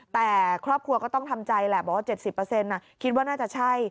แต่ครอบครัวก็ต้องทำใจแหละบอกว่า๗๐คิดว่าน่าจะใช่